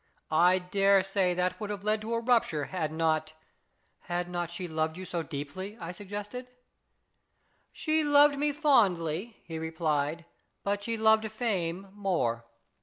I dare say that would have led to a rupture had not "" Had not she loved you so deeply," I sug gested. " She loved me fondly/' he replied, " but she loved fame more.